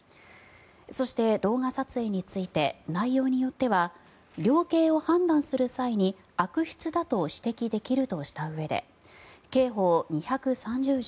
そして、動画撮影について内容によっては量刑を判断する際に悪質だと指摘できるとしたうえで刑法２３０条